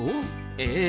ええ。